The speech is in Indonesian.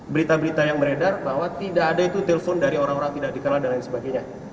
berita berita yang beredar bahwa tidak ada itu telpon dari orang orang tidak dikenal dan lain sebagainya